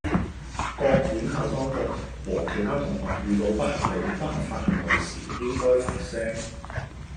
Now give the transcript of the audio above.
各院校當局和其他同學遇到不合理、不合法行為時應該發聲